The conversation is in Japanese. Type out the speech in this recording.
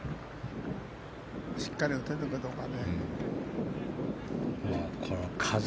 しっかり打てるかどうか。